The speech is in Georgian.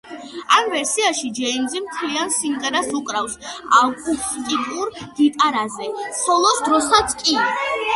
ამ ვერსიაში ჯეიმზი მთლიან სიმღერას უკრავს აკუსტიკურ გიტარაზე, სოლოს დროსაც კი.